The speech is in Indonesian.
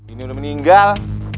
ini udah meninggal